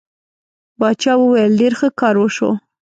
باچا وویل ډېر ښه کار وشو.